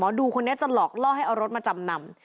ดูคนนี้จะหลอกล่อให้เอารถมาจำนำ